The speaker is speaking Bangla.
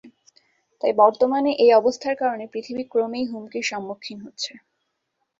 তাই বর্তমানে এই অবস্থার কারণে পৃথিবী ক্রমেই হুমকির সম্মুখীন হচ্ছে।